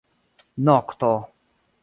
Nokto.